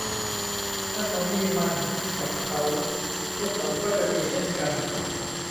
ถ้าเขามีมันกับเขาพวกเขาก็จะมีเช่นกัน